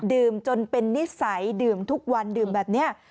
จนเป็นนิสัยดื่มทุกวันดื่มแบบนี้